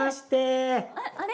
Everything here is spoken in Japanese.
あれ？